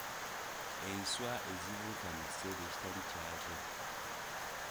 Enswa ezibuuka mu kiseera ekitali kyazo.